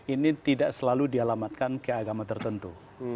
ini tidak selalu dialamatkan keagama tertentu